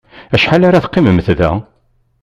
Acḥal ara teqqimemt da?